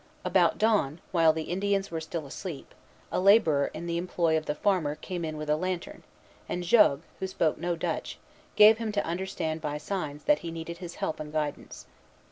About dawn, while the Indians were still asleep, a laborer in the employ of the farmer came in with a lantern, and Jogues, who spoke no Dutch, gave him to understand by signs that he needed his help and guidance.